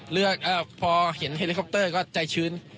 เมื่อเห็นหลวงอัลิคอปเตอร์ก็ใจชื้น